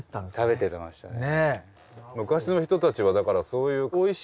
食べてましたね。